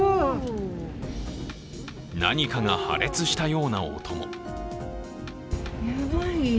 何かが破裂したような音も。